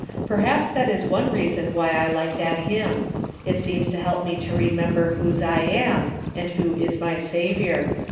Perhaps that is one reason why I like that hymn. It seems to help me to remember whose I am and who is my Saviour.